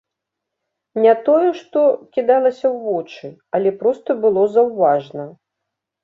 Не тое, што кідалася ў вочы, але проста было заўважна.